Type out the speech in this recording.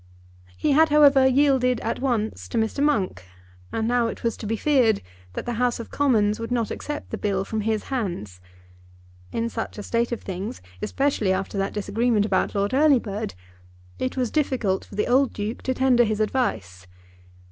He had, however, yielded at once to Mr. Monk, and now it was to be feared that the House of Commons would not accept the Bill from his hands. In such a state of things, especially after that disagreement about Lord Earlybird, it was difficult for the old Duke to tender his advice.